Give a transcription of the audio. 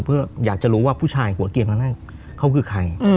เพื่ออยากจะรู้ว่าผู้ชายหัวเกียงคนนั้นเขาคือใคร